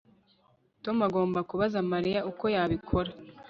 Tom agomba kubaza Mariya uko yabikora